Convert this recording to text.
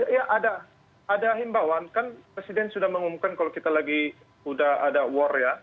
ya ada ada himbauan kan presiden sudah mengumumkan kalau kita lagi sudah ada war ya